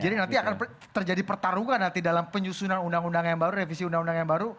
jadi nanti akan terjadi pertarungan nanti dalam penyusunan undang undang yang baru revisi undang undang yang baru